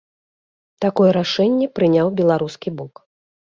Такое рашэнне прыняў беларускі бок.